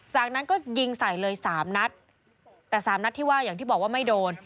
จากนั้นก็ยิงใส่เลยสามนัดแต่สามนัดที่ว่าอย่างที่บอกว่าไม่โดน